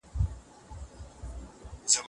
آیا میرویس خان د اصفهان د نیولو نیت درلود؟